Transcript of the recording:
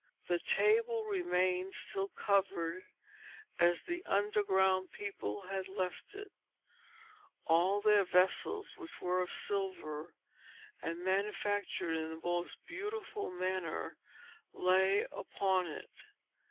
The table remained still covered as the underground people had left it; all their vessels, which were of silver, and manufactured in the most beautiful manner, lay upon it.